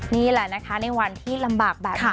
นี่แหละนะคะในวันที่ลำบากแบบนี้